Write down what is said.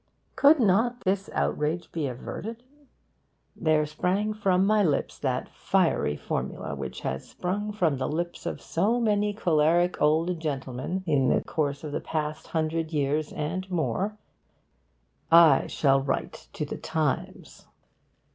Could not this outrage be averted? There sprang from my lips that fiery formula which has sprung from the lips of so many choleric old gentlemen in the course of the past hundred years and more: 'I shall write to The Times.